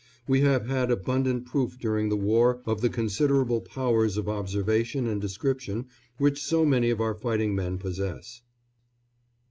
We have had abundant proof during the war of the considerable powers of observation and description which so many of our fighting men possess.